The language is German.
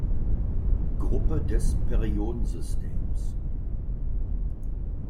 Gruppe des Periodensystems.